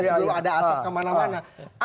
sebelum ada asap kemana mana